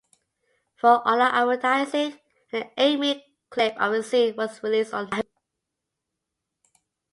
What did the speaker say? For online advertising, an eight-minute clip of a scene was released on Yahoo!